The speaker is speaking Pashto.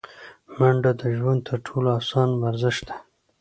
منډه د ژوند تر ټولو اسانه ورزش دی